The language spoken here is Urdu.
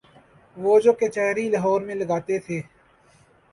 وہ جو کچہری لاہور میں لگاتے تھے۔